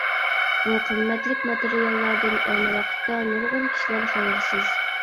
بۇ قىممەتلىك ماتېرىياللاردىن ئەينى ۋاقىتتا نۇرغۇن كىشىلەر خەۋەرسىز.